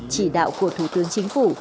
chỉ đạo của thủ tướng chính phủ